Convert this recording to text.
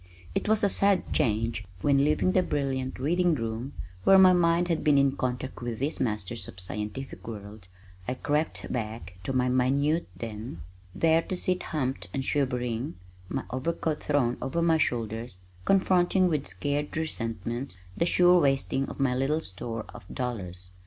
It was a sad change when, leaving the brilliant reading room where my mind had been in contact with these masters of scientific world, I crept back to my minute den, there to sit humped and shivering (my overcoat thrown over my shoulders) confronting with scared resentment the sure wasting of my little store of dollars.